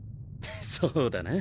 そうだな。